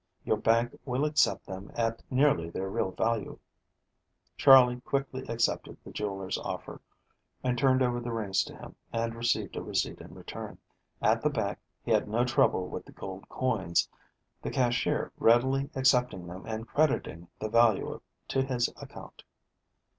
Your bank will accept them at nearly their real value." Charley quickly accepted the jeweler's offer, and turned over the rings to him and received a receipt in return. At the bank he had no trouble with the gold coins, the cashier readily accepting them and crediting the value to his account.